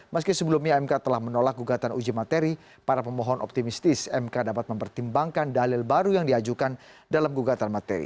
meski sebelumnya mk telah menolak gugatan uji materi para pemohon optimistis mk dapat mempertimbangkan dalil baru yang diajukan dalam gugatan materi